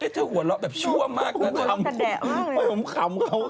เจ้าหัวหลอกแบบชัวร์มากนะ